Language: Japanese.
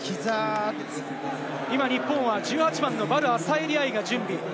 今、日本は１８番のヴァル・アサエリ愛が準備。